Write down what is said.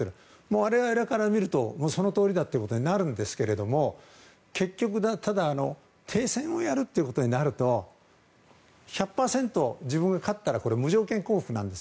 我々から見るとそのとおりだということになるんですけれども結局、停戦をやることになると１００％、自分が勝ったら無条件降伏なんです。